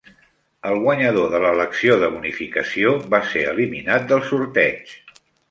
El guanyador de "l'elecció de bonificació" va ser eliminat del sorteig